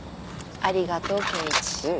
ありがとう圭一。